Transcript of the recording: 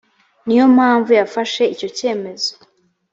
niyo mpamvu yafashe icyo cyemezo